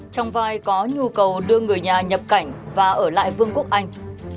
trong vai có nhu cầu đưa người nhà nhập cảnh